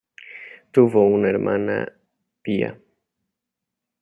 Tuvo una hermana, Pia.